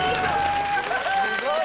すごい！